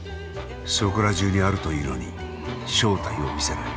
そこら中にあるというのに正体を見せない。